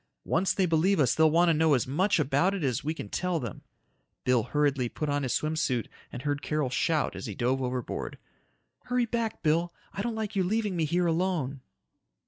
Once they believe us they'll want to know as much about it as we can tell them." Bill hurriedly put on his swim suit and heard Carol shout as he dove overboard, "Hurry back, Bill. I don't like you leaving me here alone!"